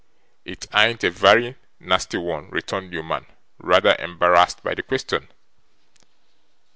'It ain't a very nasty one,' returned Newman, rather embarrassed by the question.